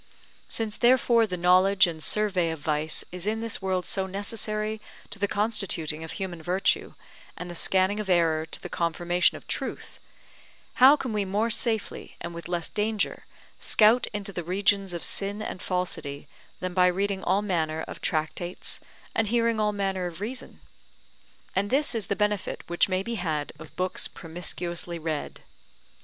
Since therefore the knowledge and survey of vice is in this world so necessary to the constituting of human virtue, and the scanning of error to the confirmation of truth, how can we more safely, and with less danger, scout into the regions of sin and falsity than by reading all manner of tractates and hearing all manner of reason? And this is the benefit which may be had of books promiscuously read.